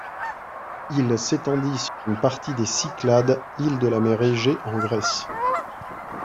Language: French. Il s'étendit sur une partie des Cyclades, îles de la mer Égée en Grèce.